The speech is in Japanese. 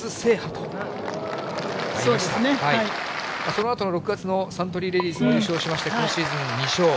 そのあとの６月の、サントリーレディスも優勝しまして、今シーズン２勝。